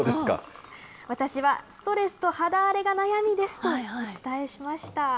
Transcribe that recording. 私は、ストレスと肌荒れが悩みですとお伝えしました。